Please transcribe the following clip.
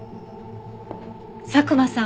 佐久間さん